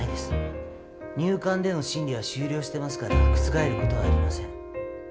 入管での審理は終了してますから覆ることはありません。